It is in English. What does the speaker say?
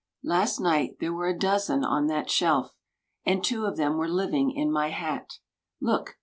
Last night there were a dozen on that shelf. And two of them were living in my hat. Look!